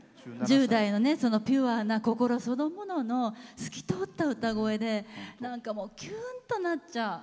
１０代のそのピュアな心そのものの透き通った歌声できゅんとなっちゃう。